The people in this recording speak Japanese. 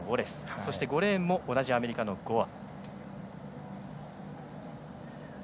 そして５レーンも同じアメリカのゴア。